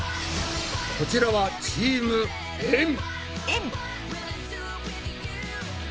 こちらはチームエん。